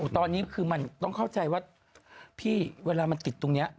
ตอนนี้คือมันต้องเข้าใจว่าพี่เวลามันติดตรงนี้